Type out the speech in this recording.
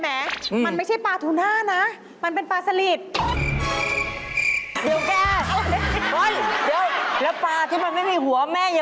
ไม่พี่มีหัวปลาสลิตมันไม่มีหัวน่ะ